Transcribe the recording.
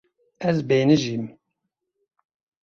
Ez bêhnijîm.